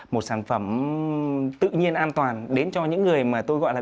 một sản phẩm tự nhiên an toàn đến cho những người mà tôi gọi là